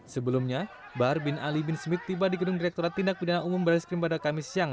sebelumnya bahar bin ali bin smith tiba di gedung direkturat tindak pidana umum baris krim pada kamis siang